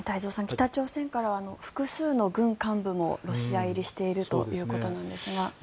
北朝鮮からは複数の軍幹部もロシア入りしているということのようですが。